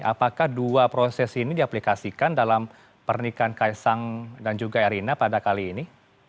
apakah dua proses ini diaplikasikan dalam pernikahan kaisang dan juga erina pada kali ini